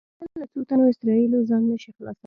ته له څو تنو اسرایلو ځان نه شې خلاصولی.